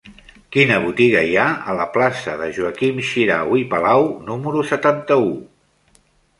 Quina botiga hi ha a la plaça de Joaquim Xirau i Palau número setanta-u?